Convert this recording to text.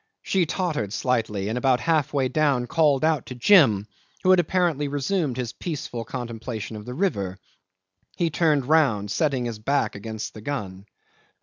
She tottered slightly, and about half way down called out to Jim, who had apparently resumed his peaceful contemplation of the river. He turned round, setting his back against the gun.